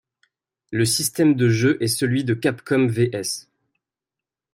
Le système de jeu est celui de Capcom vs.